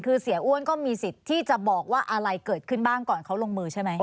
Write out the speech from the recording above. คือเสียอ้วนก็มีสิทธิ์ที่จะบอกว่าอะไรเกิดขึ้นบ้างก่อนเขาลงมือใช่ไหม